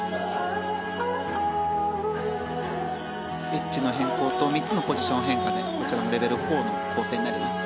エッジの変更と３つのポジション変化でこちらもレベル４の構成になります。